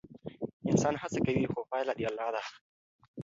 انسان هڅه کوي خو پایله د الله ده.